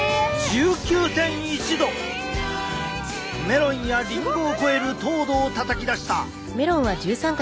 メロンやリンゴを超える糖度をたたき出した。